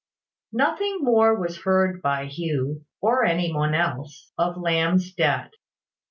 Nothing more was heard by Hugh, or any one else, of Lamb's debt.